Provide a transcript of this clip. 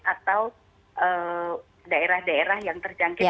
atau daerah daerah yang terjangkit